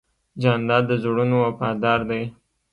جانداد د زړونو وفادار دی.